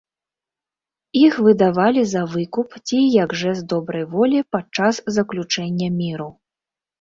Іх выдавалі за выкуп ці як жэст добрай волі падчас заключэння міру.